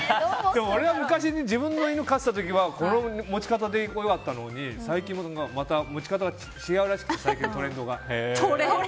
でも俺は昔自分の犬を飼ってた時はこの持ち方でよかったのに最近また持ち方が違うらしくて最近のトレンドが。